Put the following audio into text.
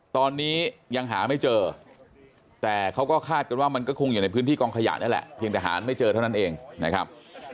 ตอนนี้ยังหาไม่เจอแต่เขาก็คาดกันว่ามันก็คงอยู่ในพื้นที่กองขยะนั่นแหละเพียงแต่หาไม่เจอเท่านั้นเองนะครับ